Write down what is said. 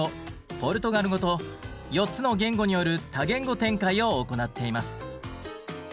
ポルトガル語と４つの言語による多言語展開を行っています。